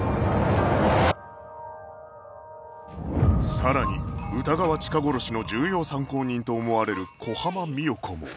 さらに歌川チカ殺しの重要参考人と思われる小浜三代子も